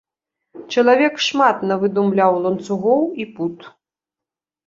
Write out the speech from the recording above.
Чалавек шмат навыдумляў ланцугоў і пут!